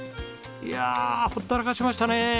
いやほったらかしましたね。